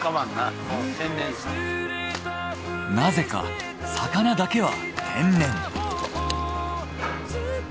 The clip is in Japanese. なぜか魚だけは天然。